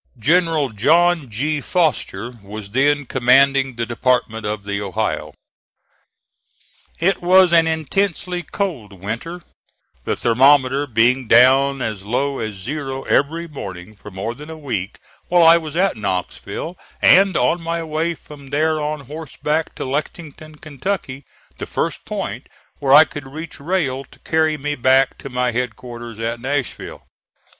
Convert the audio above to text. General John G. Foster was then commanding the Department of the Ohio. It was an intensely cold winter, the thermometer being down as low as zero every morning for more than a week while I was at Knoxville and on my way from there on horseback to Lexington, Kentucky, the first point where I could reach rail to carry me back to my headquarters at Nashville.